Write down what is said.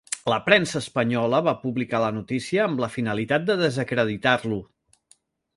La premsa espanyola va publicar la notícia amb la finalitat de desacreditar-lo.